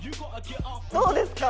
どうですか？